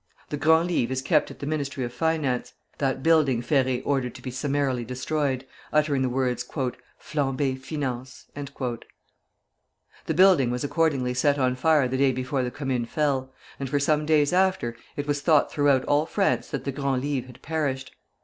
The Grand Livre is kept at the Ministry of Finance; that building Ferré ordered to be summarily destroyed, uttering the words, "Flambez Finances." The building was accordingly set on fire the day before the Commune fell; and for some days after, it was thought throughout all France that the Grand Livre had perished.